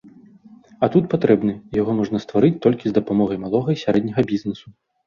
А тут патрэбны, і яго можна стварыць толькі з дапамогай малога і сярэдняга бізнэсу.